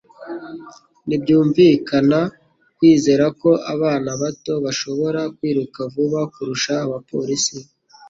Ntibyumvikana kwizera ko abana bato bashobora kwiruka vuba kurusha abapolisi.